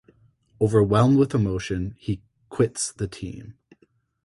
Overwhelmed with emotion, he quits the team.